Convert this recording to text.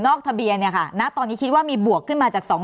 ทะเบียนเนี่ยค่ะณตอนนี้คิดว่ามีบวกขึ้นมาจาก๒๐๐